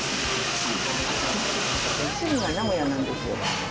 主人が名古屋なんですよね